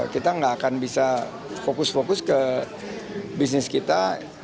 kita nggak akan bisa fokus fokus ke bisnis kita